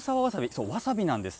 そう、わさびなんです。